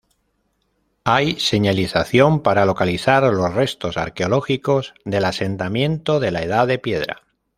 Hay señalización para localizar los restos arqueológicos del asentamiento de la Edad de piedra.